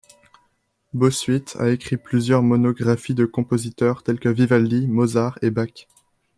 Bossuyt a écrit plusieurs monographies de compositeurs tels que Vivaldi, Mozart et Bach.